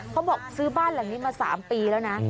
เขาบอกซื้อบ้านหลังนี้มา๓ปีแล้วนะ